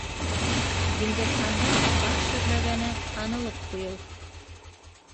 Диңгеҙхандың бар шөрләгәне - танылып ҡуйыу.